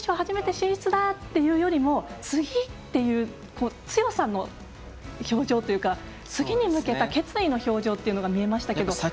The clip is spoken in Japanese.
初めて進出だ！っていうよりも次っていう強さの表情というか次に向けた決意の表情というのが見えましたけど。